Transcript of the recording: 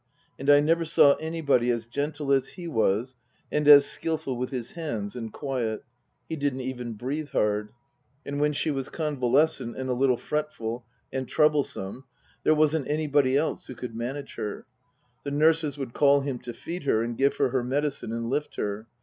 And I never saw anybody as gentle as he was and as skilful with his hands and quiet. He didn't even breathe hard. And when she was convalescent and a little fretful and trouble 202 Book II : Her Book 203 some there wasn't anybody else who could manage her. The nurses would call him to feed her and give her her medicine and lift her.